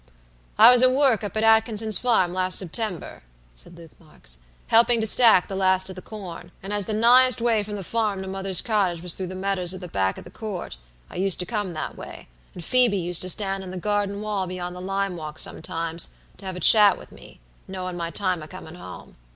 "I was at work up at Atkinson's farm, last September," said Luke Marks, "helping to stack the last of the corn, and as the nighest way from the farm to mother's cottage was through the meadows at the back of the Court, I used to come that way, and Phoebe used to stand in the garden wall beyond the lime walk sometimes, to have a chat with me, knowin' my time o' comin' home.